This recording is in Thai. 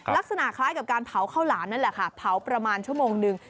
ลักษณะคล้ายกับการเผาข้าวหลามนั่นแหละค่ะเผาประมาณชั่วโมงนึง